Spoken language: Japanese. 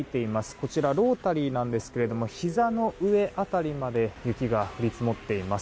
こちら、ロータリーなんですがひざの上辺りまで雪が降り積もっています。